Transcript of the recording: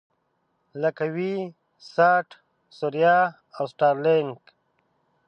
لکه وي-ساټ، ثریا او سټارلېنک.